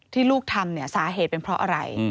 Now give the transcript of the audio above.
ลูกทำเนี่ยสาเหตุเป็นเพราะอะไร